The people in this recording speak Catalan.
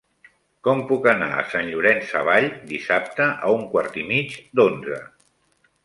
Com puc anar a Sant Llorenç Savall dissabte a un quart i mig d'onze?